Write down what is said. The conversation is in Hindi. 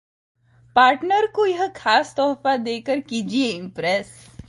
पार्टनर को यह खास तोहफा देकर कीजिए इंप्रेस